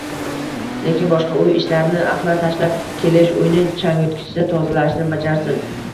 lekin boshqa uy ishlarini – axlat tashlab kelish, uyni changyutgichda tozalashni bajarsin.